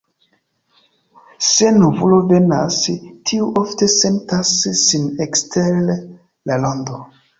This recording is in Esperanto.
Se novulo venas, tiu ofte sentas sin ekster la rondo.